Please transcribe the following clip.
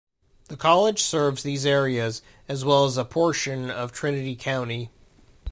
The college serves these areas, as well as a portion of Trinity County.